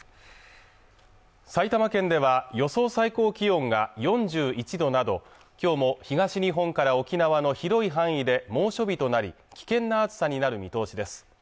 埼玉県では予想最高気温が４１度など今日も東日本から沖縄の広い範囲で猛暑日となり危険な暑さになる見通しです